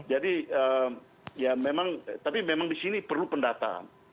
jadi ya memang tapi memang di sini perlu pendataan